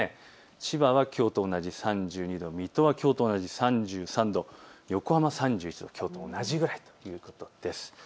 千葉はきょうと同じ３２度、水戸はきょうと同じ３３度、横浜３１度、きょうと同じくらいということです。